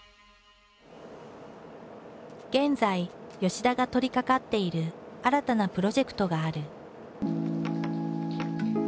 現在田が取りかかっている新たなプロジェクトがある。